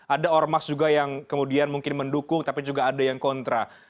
ada ormas juga yang kemudian mungkin mendukung tapi juga ada yang kontra